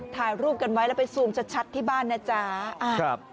ถ่ายรูปกันไว้แล้วไปซูมชัดที่บ้านนะจ๊ะ